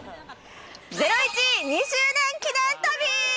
『ゼロイチ』２周年記念旅！